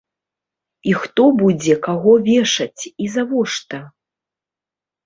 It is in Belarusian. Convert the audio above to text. І хто будзе каго вешаць і завошта?